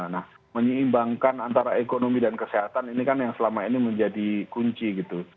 nah menyeimbangkan antara ekonomi dan kesehatan ini kan yang selama ini menjadi kunci gitu